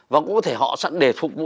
và cũng có thể họ sẵn để phục vụ